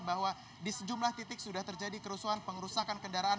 bahwa di sejumlah titik sudah terjadi kerusuhan pengerusakan kendaraan